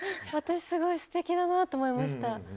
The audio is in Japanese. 私、すごい素敵だなと思いました。